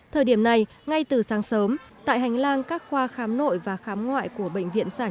thời điểm này ngay từ sáng sớm tại hành lang các khoa khám nội và khám ngoại của bệnh viện sản